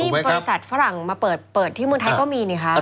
มีบริษัทฝรั่งมาเปิดที่เมืองไทยก็มีนี่คะ